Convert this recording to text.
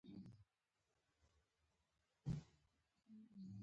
زموږ میوې د دوی په دسترخان دي.